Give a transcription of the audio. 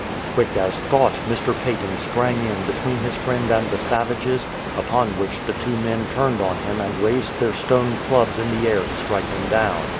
Quick as thought, Mr. Paton sprang in between his friend and the savages, upon which the two men turned on him and raised their stone clubs in the air to strike him down.